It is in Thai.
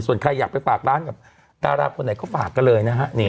ส่วนใครอยากไปผากร้านกับอร่าฟคนไหนก็ผากกันเลยนะเนี่ย